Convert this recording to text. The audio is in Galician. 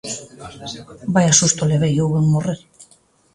Vaia susto levei, houben morrer.